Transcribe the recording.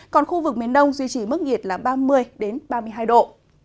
các khu vực miền đông duy trì mức nhiệt là ba mươi đến ba mươi hai độ